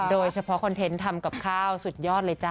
โดยเฉพาะคอนเทนต์ทำกับข้าวสุดยอดเลยจ้